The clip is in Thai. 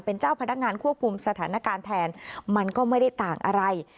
เป็นเจ้าพนักงานควบคุมสถานการณ์แทนมันก็ไม่ได้ต่างอะไร